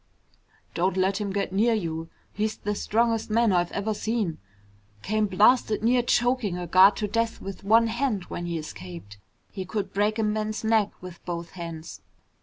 "Don't let him get near you. He's the strongest man I've ever seen. Came blasted near choking a guard to death with one hand when he escaped. He could break a man's neck with both hands."